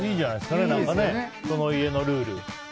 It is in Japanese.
その家のルール。